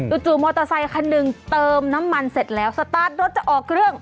จู่มอเตอร์ไซคันหนึ่งเติมน้ำมันเสร็จแล้วสตาร์ทรถจะออกเครื่อง